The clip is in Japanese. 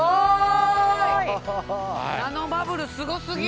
ナノバブルすご過ぎる！